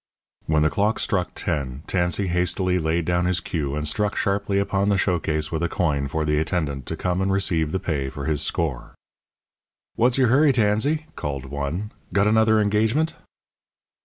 When the clock struck ten, Tansey hastily laid down his cue and struck sharply upon the show case with a coin for the attendant to come and receive the pay for his score. "What's your hurry, Tansey?" called one. "Got another engagement?"